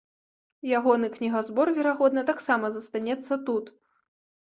Ягоны кнігазбор, верагодна, таксама застанецца тут.